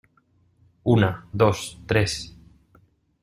una, dos , tres.